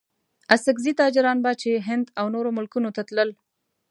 اڅګزي تاجران به چې هند او نورو ملکونو ته تلل.